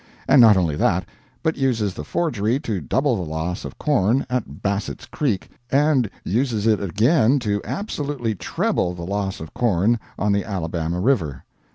And not only that, but uses the forgery to double the loss of corn at "Bassett's Creek," and uses it again to absolutely treble the loss of corn on the "Alabama River."